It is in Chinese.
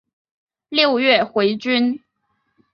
六月回军。